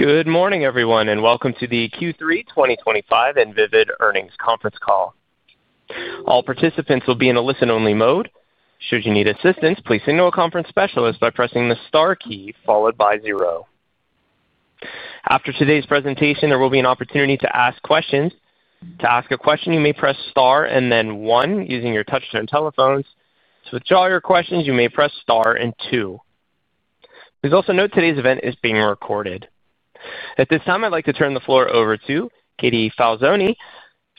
Good morning, everyone, and welcome to the Q3 2025 Invivyd Earnings Conference Call. All participants will be in a listen-only mode. Should you need assistance, please signal a conference specialist by pressing the star key followed by zero. After today's presentation, there will be an opportunity to ask questions. To ask a question, you may press star and then one using your touchscreen telephones. To withdraw your questions, you may press star and two. Please also note today's event is being recorded. At this time, I'd like to turn the floor over to Katie Falzone,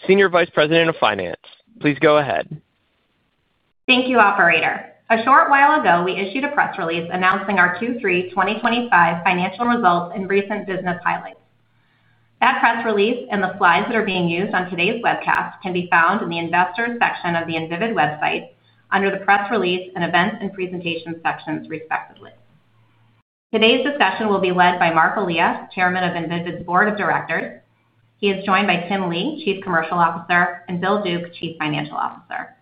Senior Vice President of Finance. Please go ahead. Thank you, Operator. A short while ago, we issued a press release announcing our Q3 2025 financial results and recent business highlights. That press release and the slides that are being used on today's webcast can be found in the Investors section of the Invivyd website under the Press Release and Events and Presentations sections, respectively. Today's discussion will be led by Marc Elia, Chairman of Invivyd's Board of Directors. He is joined by Tim Lee, Chief Commercial Officer, and Bill Duke, Chief Financial Officer.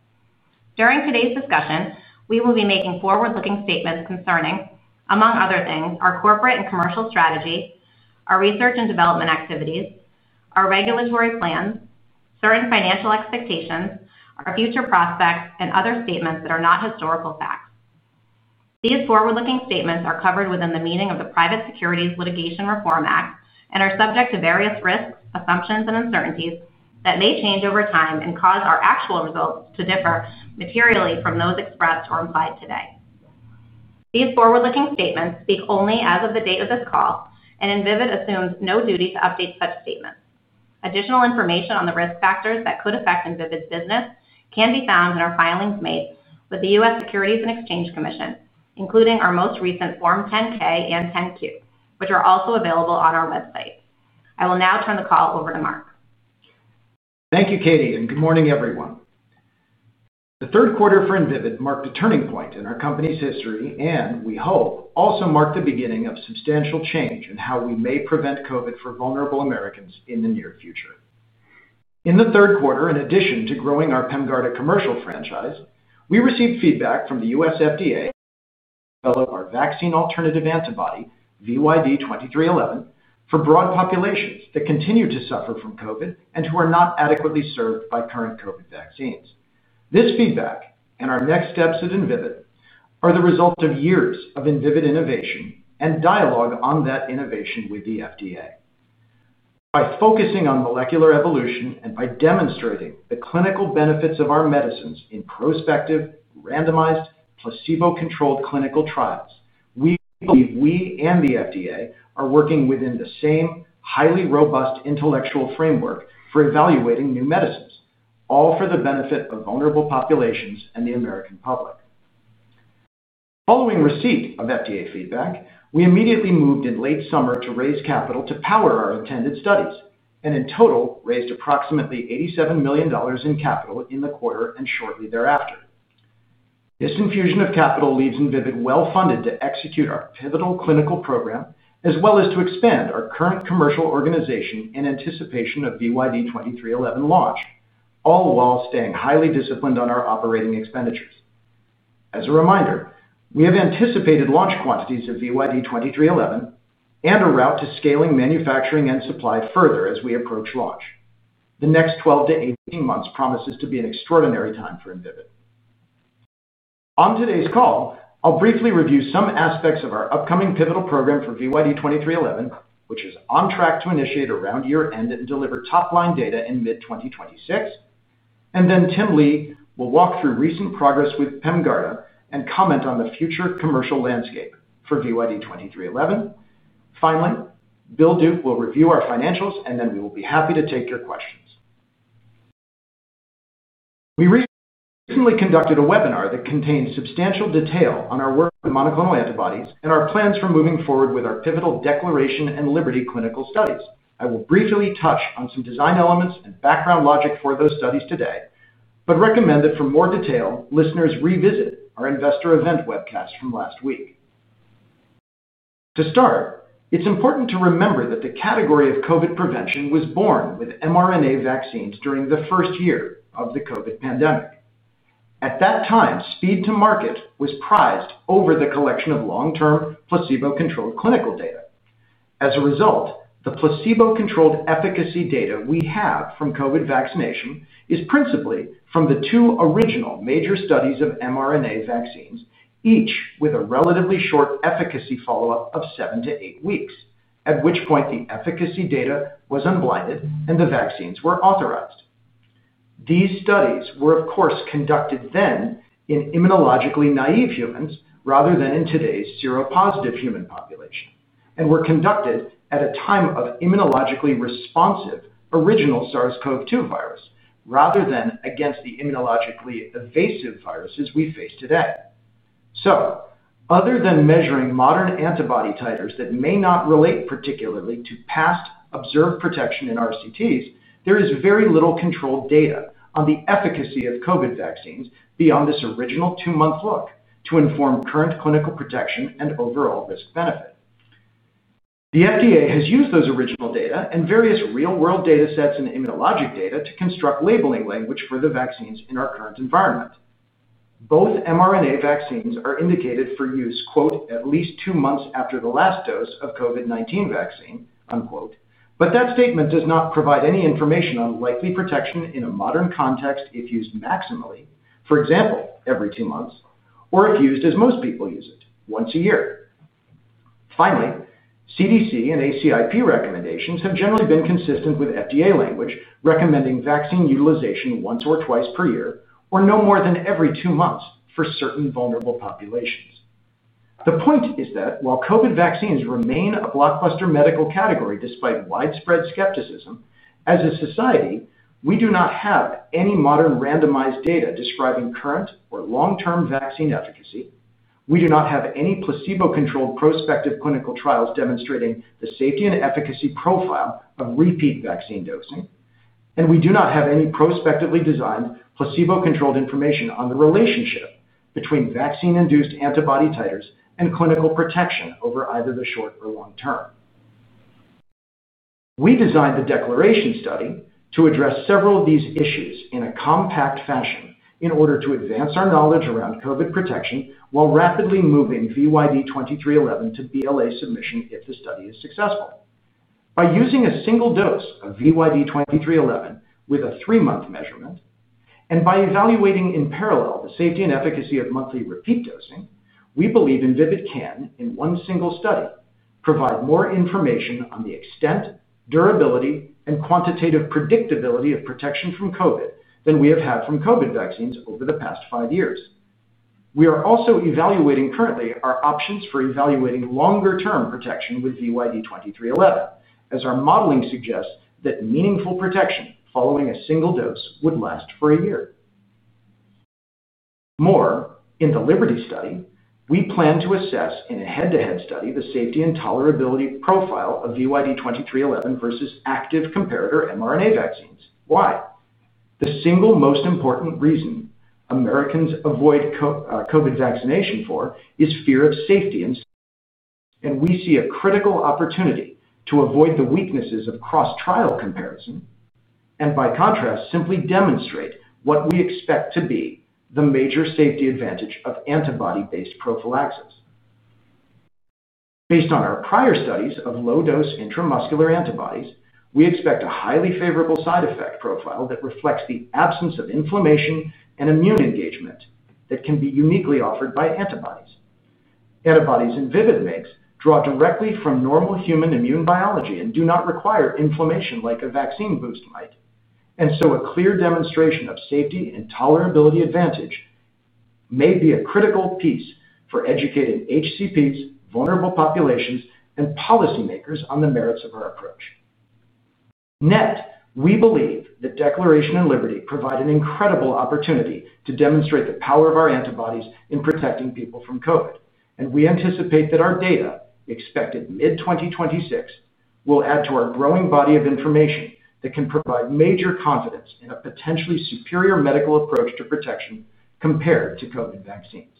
During today's discussion, we will be making forward-looking statements concerning, among other things, our corporate and commercial strategy, our research and development activities, our regulatory plans, certain financial expectations, our future prospects, and other statements that are not historical facts. These forward-looking statements are covered within the meaning of the Private Securities Litigation Reform Act and are subject to various risks, assumptions, and uncertainties that may change over time and cause our actual results to differ materially from those expressed or implied today. These forward-looking statements speak only as of the date of this call, and Invivyd assumes no duty to update such statements. Additional information on the risk factors that could affect Invivyd's business can be found in our filings made with the U.S. Securities and Exchange Commission, including our most recent Form 10-K and 10-Q, which are also available on our website. I will now turn the call over to Marc. Thank you, Katie, and good morning, everyone. The third quarter for Invivyd marked a turning point in our company's history and, we hope, also marked the beginning of substantial change in how we may prevent COVID for vulnerable Americans in the near future. In the third quarter, in addition to growing our PEMGARDA commercial franchise, we received feedback from the U.S. FDA. Fellow of our vaccine alternative antibody, VYD2311, for broad populations that continue to suffer from COVID and who are not adequately served by current COVID vaccines. This feedback and our next steps at Invivyd are the result of years of Invivyd innovation and dialogue on that innovation with the FDA. By focusing on molecular evolution and by demonstrating the clinical benefits of our medicines in prospective, randomized, placebo-controlled clinical trials, we believe we and the FDA are working within the same highly robust intellectual framework for evaluating new medicines, all for the benefit of vulnerable populations and the American public. Following receipt of FDA feedback, we immediately moved in late summer to raise capital to power our intended studies and, in total, raised approximately $87 million in capital in the quarter and shortly thereafter. This infusion of capital leaves Invivyd well-funded to execute our pivotal clinical program as well as to expand our current commercial organization in anticipation of VYD2311 launch, all while staying highly disciplined on our operating expenditures. As a reminder, we have anticipated launch quantities of VYD2311 and a route to scaling manufacturing and supply further as we approach launch. The next 12-18 months promises to be an extraordinary time for Invivyd. On today's call, I'll briefly review some aspects of our upcoming pivotal program for VYD2311, which is on track to initiate around year-end and deliver top-line data in mid-2026. Tim Lee will walk through recent progress with PEMGARDA and comment on the future commercial landscape for VYD2311. Finally, Bill Duke will review our financials, and then we will be happy to take your questions. We recently conducted a webinar that contains substantial detail on our work with monoclonal antibodies and our plans for moving forward with our pivotal DECLARATION and LIBERTY clinical studies. I will briefly touch on some design elements and background logic for those studies today, but recommend that for more detail, listeners revisit our investor event webcast from last week. To start, it's important to remember that the category of COVID prevention was born with mRNA vaccines during the first year of the COVID pandemic. At that time, speed to market was prized over the collection of long-term placebo-controlled clinical data. As a result, the placebo-controlled efficacy data we have from COVID vaccination is principally from the two original major studies of mRNA vaccines, each with a relatively short efficacy follow-up of seven to eight weeks, at which point the efficacy data was unblinded and the vaccines were authorized. These studies were, of course, conducted then in immunologically naïve humans rather than in today's seropositive human population, and were conducted at a time of immunologically responsive original SARS-CoV-2 virus rather than against the immunologically evasive viruses we face today. Other than measuring modern antibody titers that may not relate particularly to past observed protection in RCTs, there is very little controlled data on the efficacy of COVID vaccines beyond this original two-month look to inform current clinical protection and overall risk-benefit. The FDA has used those original data and various real-world data sets and immunologic data to construct labeling language for the vaccines in our current environment. Both mRNA vaccines are indicated for use "at least two months after the last dose of COVID-19 vaccine." That statement does not provide any information on likely protection in a modern context if used maximally, for example, every two months, or if used as most people use it, once a year. Finally, CDC and ACIP recommendations have generally been consistent with FDA language recommending vaccine utilization once-twice per year or no more than every two months for certain vulnerable populations. The point is that while COVID vaccines remain a blockbuster medical category despite widespread skepticism, as a society, we do not have any modern randomized data describing current or long-term vaccine efficacy. We do not have any placebo-controlled prospective clinical trials demonstrating the safety and efficacy profile of repeat vaccine dosing, and we do not have any prospectively designed placebo-controlled information on the relationship between vaccine-induced antibody titers and clinical protection over either the short or long term. We designed the DECLARATION study to address several of these issues in a compact fashion in order to advance our knowledge around COVID protection while rapidly moving VYD2311 to BLA submission if the study is successful. By using a single dose of VYD2311 with a three-month measurement and by evaluating in parallel the safety and efficacy of monthly repeat dosing, we believe Invivyd can, in one single study, provide more information on the extent, durability, and quantitative predictability of protection from COVID than we have had from COVID vaccines over the past five years. We are also evaluating currently our options for evaluating longer-term protection with VYD2311, as our modeling suggests that meaningful protection following a single dose would last for a year. More, in the LIBERTY study, we plan to assess in a head-to-head study the safety and tolerability profile of VYD2311 versus active comparator mRNA vaccines. Why? The single most important reason Americans avoid COVID vaccination for is fear of safety, and we see a critical opportunity to avoid the weaknesses of. Cross-trial comparison and, by contrast, simply demonstrate what we expect to be the major safety advantage of antibody-based prophylaxis. Based on our prior studies of low-dose intramuscular antibodies, we expect a highly favorable side effect profile that reflects the absence of inflammation and immune engagement that can be uniquely offered by antibodies. Antibodies Invivyd makes draw directly from normal human immune biology and do not require inflammation like a vaccine boost might, and so a clear demonstration of safety and tolerability advantage may be a critical piece for educating HCPs, vulnerable populations, and policymakers on the merits of our approach. Net, we believe that DECLARATION and LIBERTY provide an incredible opportunity to demonstrate the power of our antibodies in protecting people from COVID, and we anticipate that our data, expected mid-2026, will add to our growing body of information that can provide major confidence in a potentially superior medical approach to protection compared to COVID vaccines.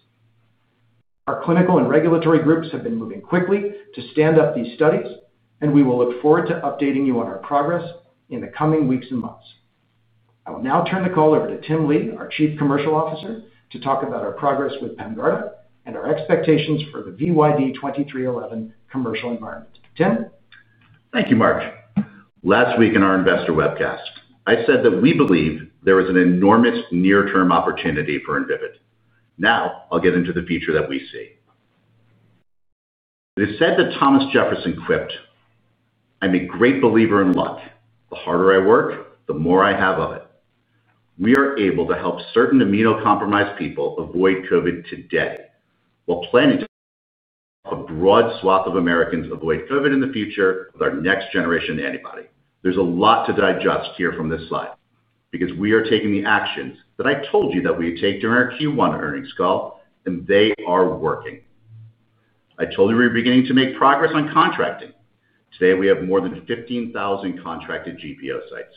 Our clinical and regulatory groups have been moving quickly to stand up these studies, and we will look forward to updating you on our progress in the coming weeks and months. I will now turn the call over to Tim Lee, our Chief Commercial Officer, to talk about our progress with PEMGARDA and our expectations for the VYD2311 commercial environment. Tim? Thank you, Marc. Last week in our investor webcast, I said that we believe there is an enormous near-term opportunity for Invivyd. Now, I'll get into the future that we see. It is said that Thomas Jefferson quipped, "I'm a great believer in luck. The harder I work, the more I have of it." We are able to help certain immunocompromised people avoid COVID today while planning to help a broad swath of Americans avoid COVID in the future with our next-generation antibody. There's a lot to digest here from this slide because we are taking the actions that I told you that we would take during our Q1 earnings call, and they are working. I told you we're beginning to make progress on contracting. Today, we have more than 15,000 contracted GPO sites.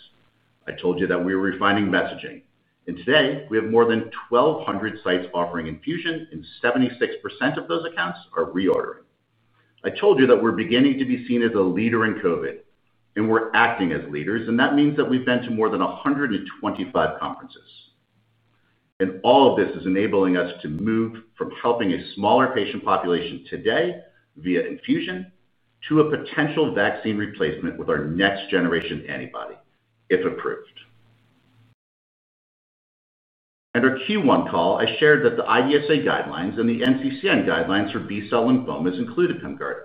I told you that we are refining messaging, and today, we have more than 1,200 sites offering infusion, and 76% of those accounts are reordering. I told you that we're beginning to be seen as a leader in COVID, and we're acting as leaders, and that means that we've been to more than 125 conferences. All of this is enabling us to move from helping a smaller patient population today via infusion to a potential vaccine replacement with our next-generation antibody if approved. At our Q1 call, I shared that the IVSA guidelines and the NCCN guidelines for B-Cell Lymphomas included PEMGARDA.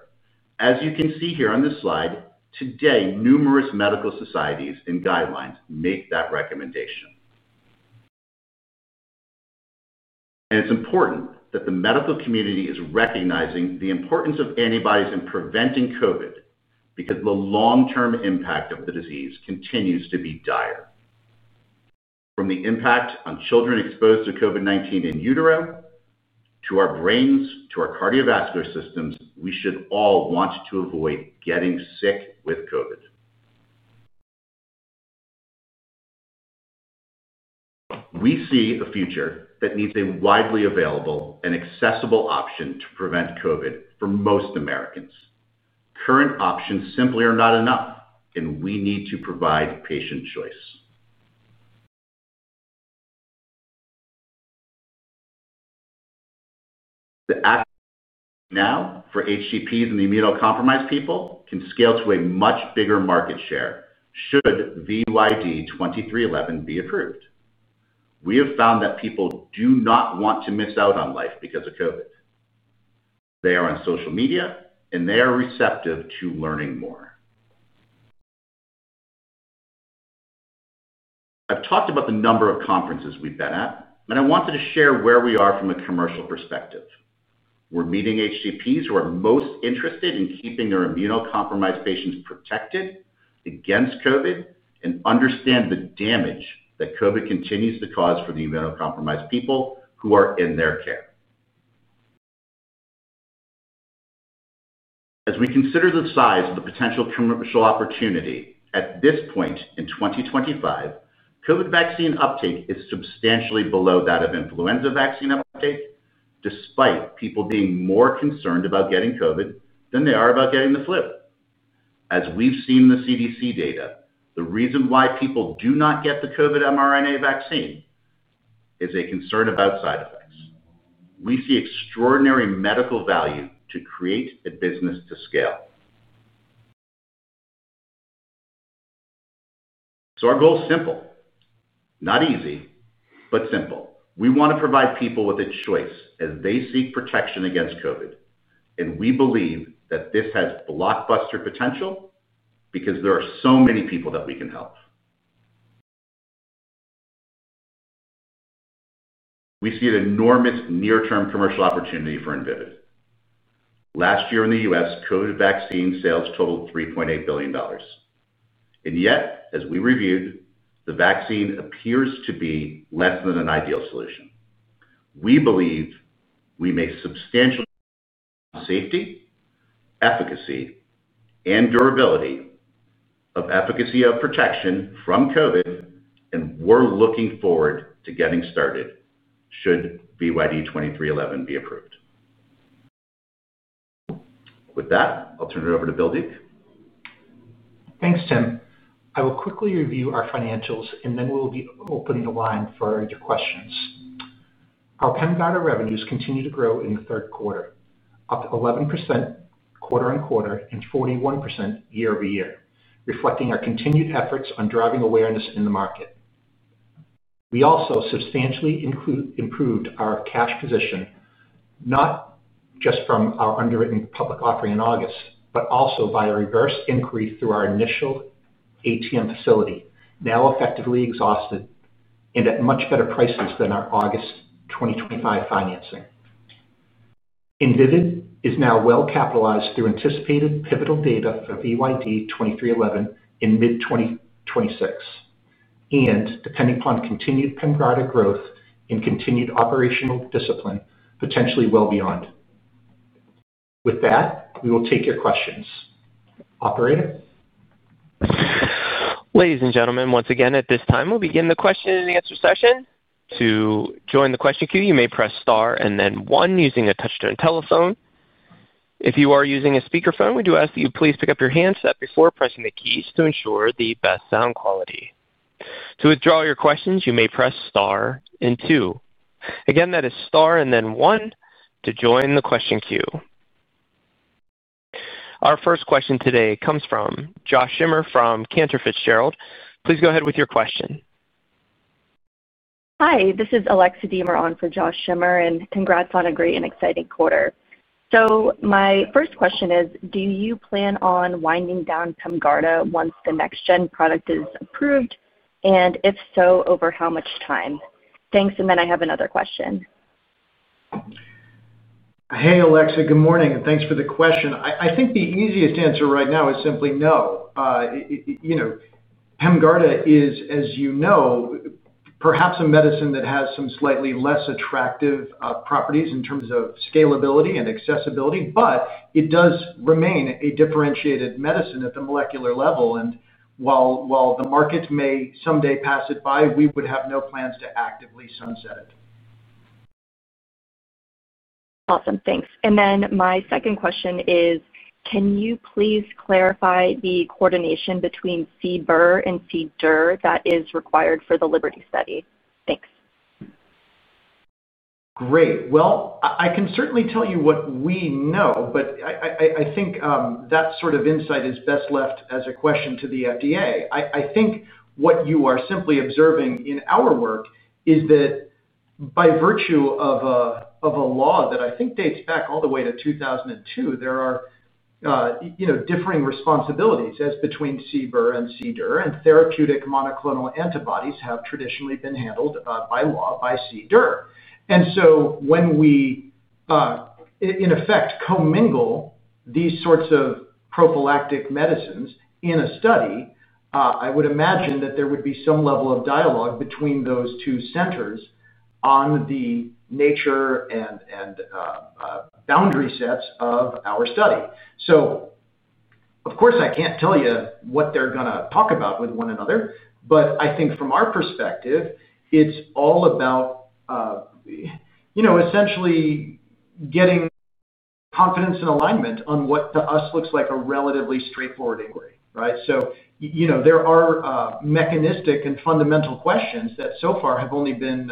As you can see here on this slide, today, numerous medical societies and guidelines make that recommendation. It's important that the medical community is recognizing the importance of antibodies in preventing COVID because the long-term impact of the disease continues to be dire. From the impact on children exposed to COVID-19 in utero to our brains to our cardiovascular systems, we should all want to avoid getting sick with COVID. We see a future that needs a widely available and accessible option to prevent COVID for most Americans. Current options simply are not enough, and we need to provide patient choice. The action now for HCPs and immunocompromised people can scale to a much bigger market share should VYD2311 be approved. We have found that people do not want to miss out on life because of COVID. They are on social media, and they are receptive to learning more. I've talked about the number of conferences we've been at, and I wanted to share where we are from a commercial perspective. We're meeting HCPs who are most interested in keeping their immunocompromised patients protected against COVID and understand the damage that COVID continues to cause for the immunocompromised people who are in their care. As we consider the size of the potential commercial opportunity at this point in 2025, COVID vaccine uptake is substantially below that of influenza vaccine uptake, despite people being more concerned about getting COVID than they are about getting the flu. As we've seen in the CDC data, the reason why people do not get the COVID mRNA vaccine is a concern about side effects. We see extraordinary medical value to create a business to scale. Our goal is simple, not easy, but simple. We want to provide people with a choice as they seek protection against COVID, and we believe that this has blockbuster potential because there are so many people that we can help. We see an enormous near-term commercial opportunity for Invivyd. Last year in the U.S., COVID vaccine sales totaled $3.8 billion. Yet, as we reviewed, the vaccine appears to be less than an ideal solution. We believe we may substantially improve safety, efficacy, and durability of efficacy of protection from COVID, and we're looking forward to getting started should VYD2311 be approved. With that, I'll turn it over to Bill Duke. Thanks, Tim. I will quickly review our financials, and then we'll open the line for your questions. Our PEMGARDA revenues continue to grow in the third quarter, up 11% quarter-on-quarter and 41% year-over-year, reflecting our continued efforts on driving awareness in the market. We also substantially improved our cash position, not just from our underwritten public offering in August, but also by a reverse increase through our initial ATM facility, now effectively exhausted and at much better prices than our August 2025 financing. Invivyd is now well capitalized through anticipated pivotal data for VYD2311 in mid-2026, and depending upon continued PEMGARDA growth and continued operational discipline, potentially well beyond. With that, we will take your questions. Operator? Ladies and gentlemen, once again, at this time, we'll begin the question-and-answer session. To join the question queue, you may press star and then one using a touch-tone telephone. If you are using a speakerphone, we do ask that you please pick up your handset before pressing the keys to ensure the best sound quality. To withdraw your questions, you may press star and two. Again, that is star and then one to join the question queue. Our first question today comes from Josh Schimmer from Cantor Fitzgerald. Please go ahead with your question. Hi, this is Alexa Diemer on for Josh Schimmer, and congrats on a great and exciting quarter. My first question is, do you plan on winding down PEMGARDA once the next-gen product is approved, and if so, over how much time? Thanks. I have another question. Hey, Alexa. Good morning, and thanks for the question. I think the easiest answer right now is simply no. PEMGARDA is, as you know, perhaps a medicine that has some slightly less attractive properties in terms of scalability and accessibility, but it does remain a differentiated medicine at the molecular level. While the market may someday pass it by, we would have no plans to actively sunset it. Awesome. Thanks. My second question is, can you please clarify the coordination between CBER and CDER that is required for the LIBERTY study? Thanks. Great. I can certainly tell you what we know, but I think that sort of insight is best left as a question to the FDA. I think what you are simply observing in our work is that, by virtue of a law that I think dates back all the way to 2002, there are differing responsibilities as between CBER and CDER, and therapeutic monoclonal antibodies have traditionally been handled by law by CDER. When we, in effect, commingle these sorts of prophylactic medicines in a study, I would imagine that there would be some level of dialogue between those two centers on the nature and boundary sets of our study. Of course, I can't tell you what they're going to talk about with one another, but I think from our perspective, it's all about essentially getting. Confidence and alignment on what to us looks like a relatively straightforward inquiry, right? There are mechanistic and fundamental questions that so far have only been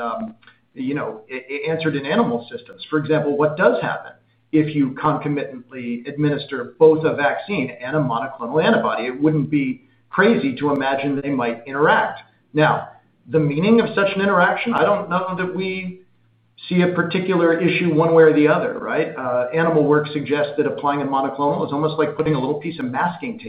answered in animal systems. For example, what does happen if you concomitantly administer both a vaccine and a monoclonal antibody? It would not be crazy to imagine they might interact. Now, the meaning of such an interaction, I do not know that we see a particular issue one way or the other, right? Animal work suggests that applying a monoclonal is almost like putting a little piece of masking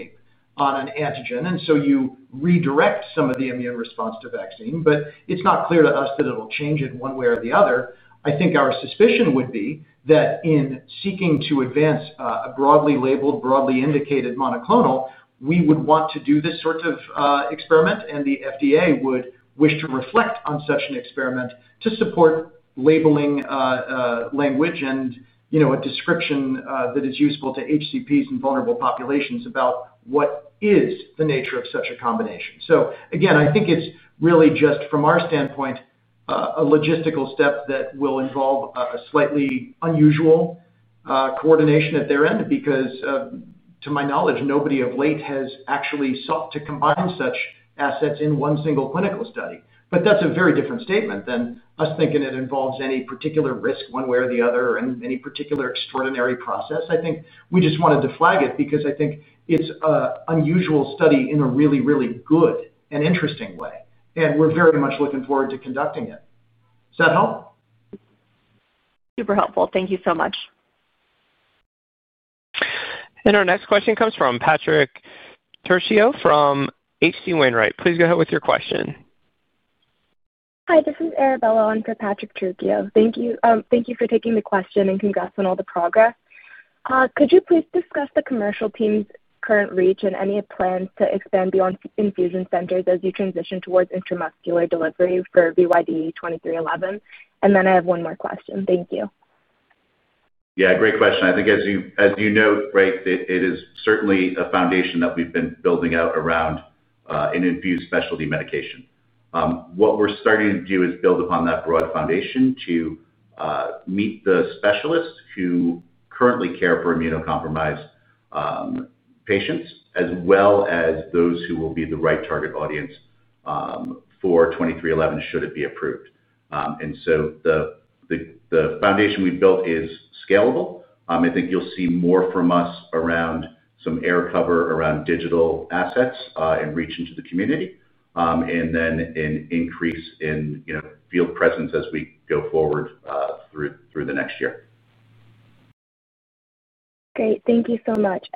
tape on an antigen, and so you redirect some of the immune response to vaccine, but it is not clear to us that it will change it one way or the other. I think our suspicion would be that in seeking to advance a broadly labeled, broadly indicated monoclonal, we would want to do this sort of experiment, and the FDA would wish to reflect on such an experiment to support labeling, language and a description that is useful to HCPs and vulnerable populations about what is the nature of such a combination. Again, I think it's really just from our standpoint. A logistical step that will involve a slightly unusual coordination at their end because, to my knowledge, nobody of late has actually sought to combine such assets in one single clinical study. That is a very different statement than us thinking it involves any particular risk one way or the other and any particular extraordinary process. I think we just wanted to flag it because I think it's an unusual study in a really, really good and interesting way, and we're very much looking forward to conducting it. Does that help? Super helpful. Thank you so much. Our next question comes from Patrick Trucchio from HC Wainwright. Please go ahead with your question. Hi, this is Arabella on for Patrick Trucchio. Thank you for taking the question and congrats on all the progress. Could you please discuss the commercial team's current reach and any plans to expand beyond infusion centers as you transition towards intramuscular delivery for VYD2311? I have one more question. Thank you. Yeah, great question. I think as you note, right, it is certainly a foundation that we've been building out around an infused specialty medication. What we're starting to do is build upon that broad foundation to meet the specialists who currently care for immunocompromised patients, as well as those who will be the right target audience for 2311 should it be approved. The foundation we've built is scalable. I think you'll see more from us around some air cover around digital assets and reach into the community, and then an increase in field presence as we go forward through the next year. Great. Thank you so much.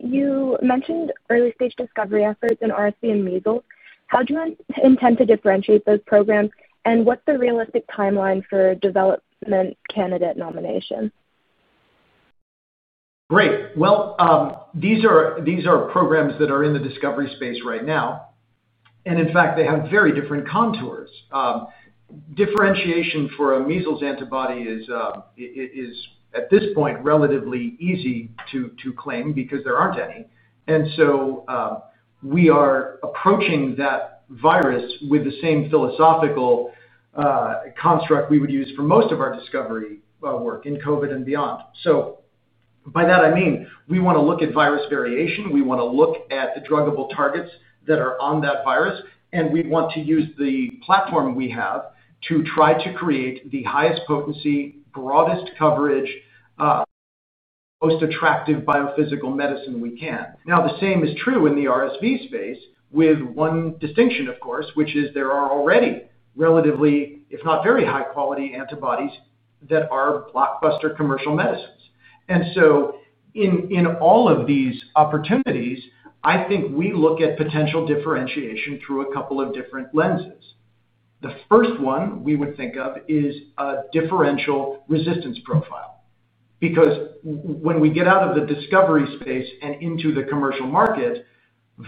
You mentioned early-stage discovery efforts in RSV and measles. How do you intend to differentiate those programs, and what's the realistic timeline for development candidate nomination? Great. These are programs that are in the discovery space right now. In fact, they have very different contours. Differentiation for a measles antibody is at this point relatively easy to claim because there aren't any. We are approaching that virus with the same philosophical construct we would use for most of our discovery work in COVID and beyond. By that, I mean we want to look at virus variation. We want to look at the druggable targets that are on that virus, and we want to use the platform we have to try to create the highest potency, broadest coverage, most attractive biophysical medicine we can. The same is true in the RSV space with one distinction, of course, which is there are already relatively, if not very high-quality antibodies that are blockbuster commercial medicines. In all of these opportunities, I think we look at potential differentiation through a couple of different lenses. The first one we would think of is a differential resistance profile because when we get out of the discovery space and into the commercial market.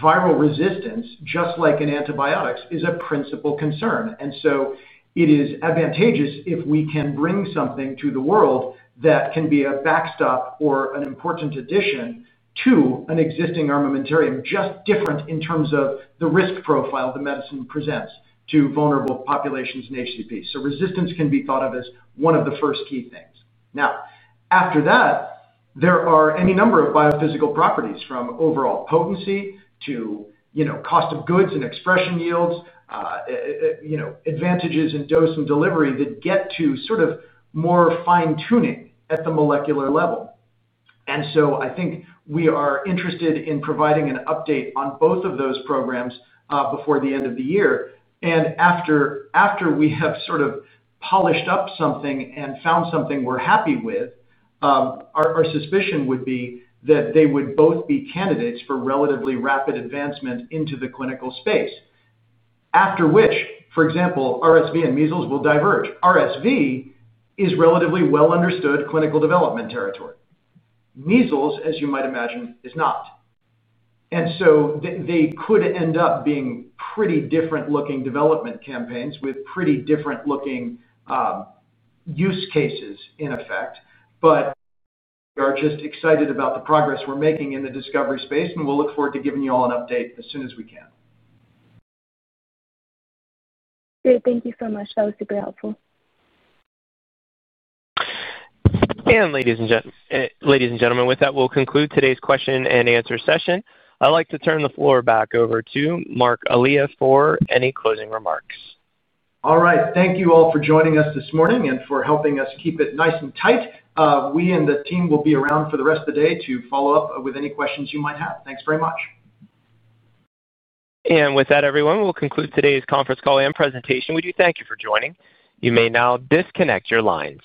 Viral resistance, just like in antibiotics, is a principal concern. It is advantageous if we can bring something to the world that can be a backstop or an important addition to an existing armamentarium, just different in terms of the risk profile the medicine presents to vulnerable populations in HCP. Resistance can be thought of as one of the first key things. After that, there are any number of biophysical properties from overall potency to cost of goods and expression yields. Advantages in dose and delivery that get to sort of more fine-tuning at the molecular level. I think we are interested in providing an update on both of those programs before the end of the year. After we have sort of polished up something and found something we're happy with, our suspicion would be that they would both be candidates for relatively rapid advancement into the clinical space. After which, for example, RSV and measles will diverge. RSV is relatively well-understood clinical development territory. Measles, as you might imagine, is not. They could end up being pretty different-looking development campaigns with pretty different-looking use cases in effect, but we are just excited about the progress we're making in the discovery space, and we'll look forward to giving you all an update as soon as we can. Great. Thank you so much. That was super helpful. Ladies and gentlemen, with that, we'll conclude today's question-and-answer session. I'd like to turn the floor back over to Marc Elia for any closing remarks. All right. Thank you all for joining us this morning and for helping us keep it nice and tight. We and the team will be around for the rest of the day to follow up with any questions you might have. Thanks very much. With that, everyone, we will conclude today's conference call and presentation. We do thank you for joining. You may now disconnect your lines.